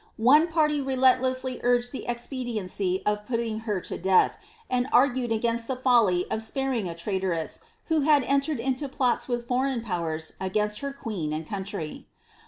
One party relentlessly urged the expediency of putting her to death, and argued against the folly of sparing a traitress who had entered into plots with foreign powers against her queen and country.'